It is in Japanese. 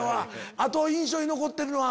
あと印象に残ってるのは？